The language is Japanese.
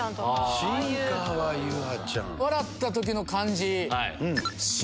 笑った時の感じ。